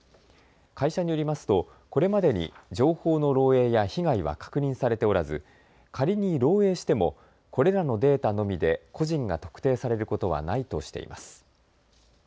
会社によりますと、これまでに情報の漏えいや被害は確認されておらず、仮に漏えいしてもこれらのデータのみで個人が特定されることはないとしています。